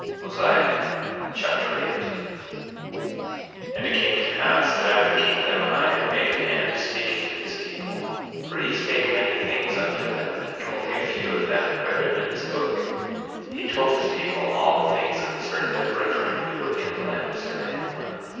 Mosiah Chapter 8 8:1 And it came to pass that after king Limhi had made an end of speaking to his people, for he spake many things unto them and only a few of them have I written in this book, he told his people all the things concerning their brethren who were in the land of Zarahemla.